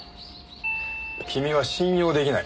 君は信用出来ない。